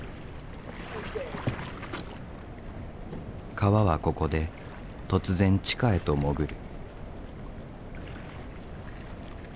川はここで突然地下へと潜る。